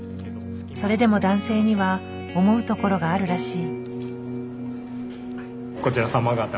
それでも男性には思うところがあるらしい。